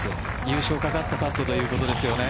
優勝かかったパットということですよね。